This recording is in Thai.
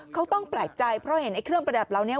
เขาต้องแปลกใจเพราะเห็นไอ้เครื่องประดับเหล่านี้